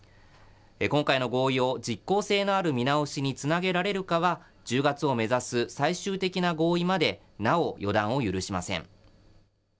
今回の合意を実効性のある見直しにつなげられるかは、１０月を目指す最終的な合意まで、なお予断を許しません。